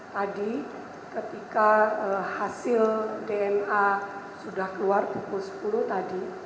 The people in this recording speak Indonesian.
tadi ketika hasil dna sudah keluar pukul sepuluh tadi